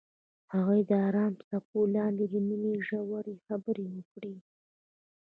هغوی د آرام څپو لاندې د مینې ژورې خبرې وکړې.